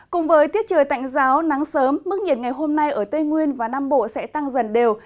cùng với thiết trời tạnh giáo nắng sớm mức nhiệt ngày hôm nay ở tây nguyên và nam bộ sẽ tăng dần đều